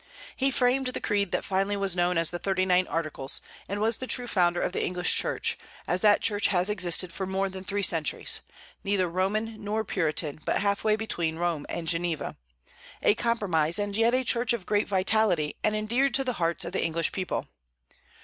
He framed the creed that finally was known as the Thirty nine Articles, and was the true founder of the English Church, as that Church has existed for more than three centuries, neither Roman nor Puritan, but "half way between Rome and Geneva;" a compromise, and yet a Church of great vitality, and endeared to the hearts of the English people.